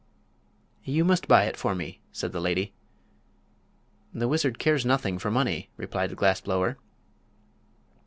"You must buy it for me," said the lady. "The wizard cares nothing for money," replied the glass blower.